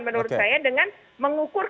menurut saya dengan mengukur